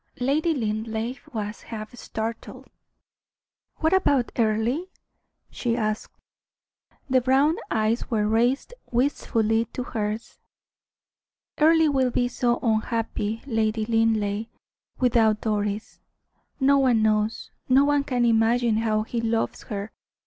Lady Linleigh was half startled. "What about Earle?" she asked. The brown eyes were raised wistfully to hers. "Earle will be so unhappy, Lady Linleigh, without Doris. No one knows no one can imagine how he loves her.